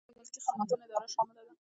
په دې کې د ملکي خدمتونو اداره شامله ده.